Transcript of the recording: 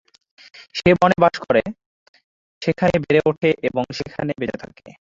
সে বনে বাস করে, সেখানে বেড়ে ওঠে এবং সেখানে বেঁচে থাকে।